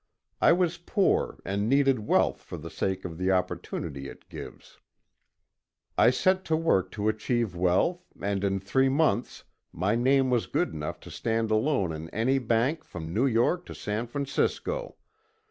I was poor and needed wealth for the sake of the opportunity it gives. I set to work to achieve wealth, and in three months my name was good enough to stand alone in any bank from New York to San Francisco.